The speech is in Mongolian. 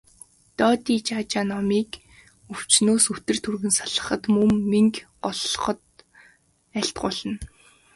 Додижажаа номыг өвчнөөс үтэр түргэн салахад, мөн мэнгэ голлоход айлтгуулна.